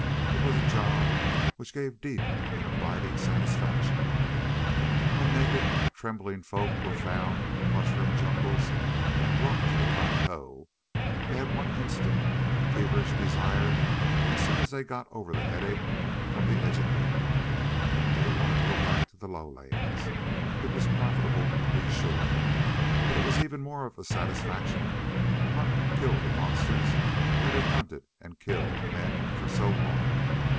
It was a job which gave deep and abiding satisfaction. When naked, trembling folk were found in the mushroom jungles and brought to the plateau, they had one instant, feverish desire as soon as they got over the headache from the educator. They wanted to go back to the lowlands. It was profitable, to be sure. But it was even more of a satisfaction to hunt and kill the monsters that had hunted and killed men for so long.